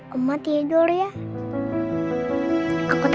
mama sudah senang